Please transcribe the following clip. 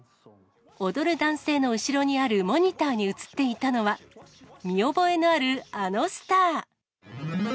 踊る男性の後ろにあるモニターに映っていたのは、見覚えのあるあのスター。